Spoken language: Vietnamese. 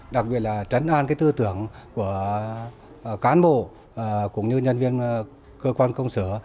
đặc biệt là trấn an cái tư tưởng của cán bộ cũng như nhân viên cơ quan công sở